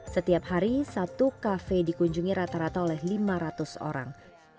setiap hari satu kafe dikunjungi rata rata oleh lima ratus orang